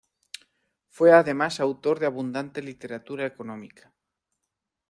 Fue además autor de abundante literatura económica.